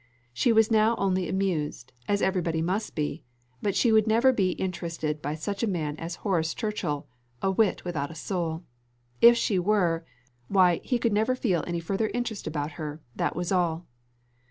She was now only amused, as everybody must be, but she would never be interested by such a man as Horace Churchill, a wit without a soul. If she were why he could never feel any further interest about her that was all!